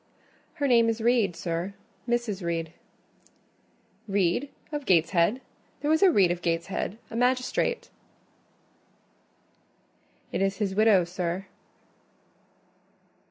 "Her name is Reed, sir—Mrs. Reed." "Reed of Gateshead? There was a Reed of Gateshead, a magistrate." "It is his widow, sir."